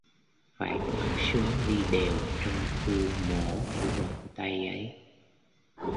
Phải khoác súng đi đều trong khu mổ của bọn tây ấy